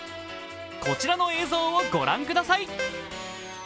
こちらの映像を御覧ください。